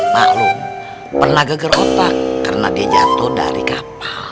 maklum pernah geger otak karena dia jatuh dari kapal